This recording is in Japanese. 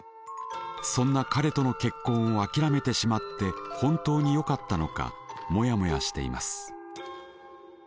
そんな彼との結婚をあきらめてしまって本当によかったのかモヤモヤしています。